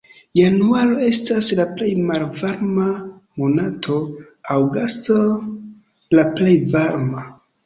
Januaro estas la plej malvarma monato, aŭgusto la plej varma.